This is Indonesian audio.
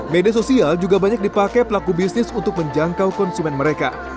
media sosial juga banyak dipakai pelaku bisnis untuk menjangkau konsumen mereka